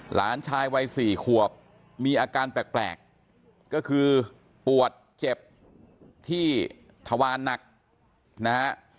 หลานชายวัย๔ขวบมีอาการแปลกก็คือปวดเจ็บที่ทวารหนักนะฮะ